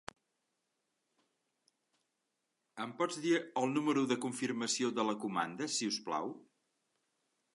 Em pots dir el número de confirmació de la comanda, si us plau?